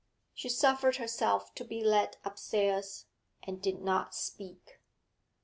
She suffered herself to be led upstairs, and did not speak.